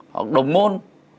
hoặc đồng môn